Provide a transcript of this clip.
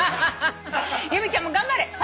由美ちゃんも頑張れ。